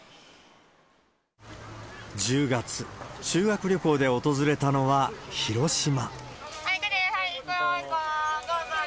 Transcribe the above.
１０月、修学旅行で訪れたのは広島。